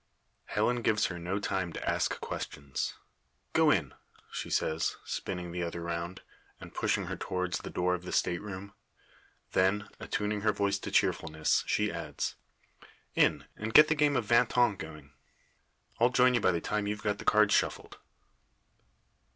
Helen gives her no time to ask questions. "Go in!" she says, spinning the other round, and pushing her towards the door of the state room. Then, attuning her voice to cheerfulness, she adds: "In, and set the game of vingt un going. I'll join you by the time you've got the cards shuffled."